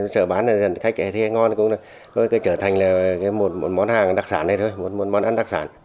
sở bán là dần dần khách thấy ngon cũng là trở thành một món hàng đặc sản này thôi một món ăn đặc sản